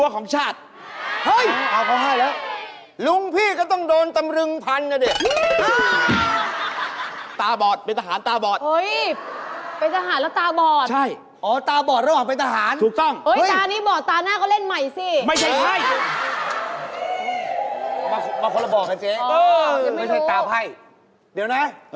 ก็หัวล้อเขารุกขึ้นมานี่เฉย